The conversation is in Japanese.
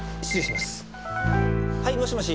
はいもしもし？